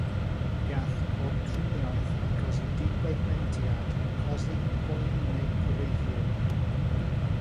Gall pob triniaeth achosi dibigmentiad, cosi, poen neu greithio.